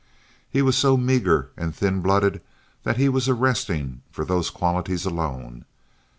He was so meager and thin blooded that he was arresting for those qualities alone.